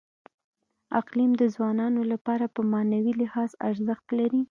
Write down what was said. اقلیم د افغانانو لپاره په معنوي لحاظ ارزښت لري.